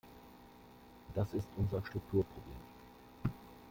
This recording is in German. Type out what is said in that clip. Das ist unser Strukturproblem.